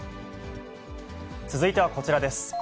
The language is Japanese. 続いてはこちらです。